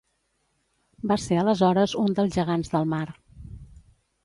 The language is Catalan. Va ser aleshores un dels gegants del mar.